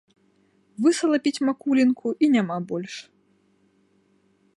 Высалапіць макулінку, і няма больш.